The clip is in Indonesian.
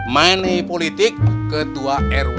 manei politik ketua rw